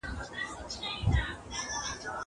یاران به وي چي یو جوابوم بل را روان